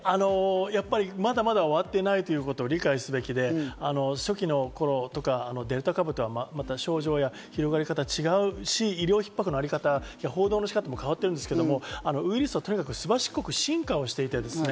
まだまだ終わっていないということを理解すべきで、初期の頃とかデルタ株とはまた症状や、広がり方が違うし、医療ひっ迫のあり方、報道の仕方も変わっているんですけど、ウイルスはすばしっこく進化をしていく。